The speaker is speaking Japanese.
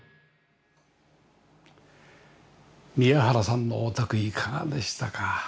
宮原さんのお宅いかがでしたか？